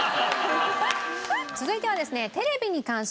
続いてはですね。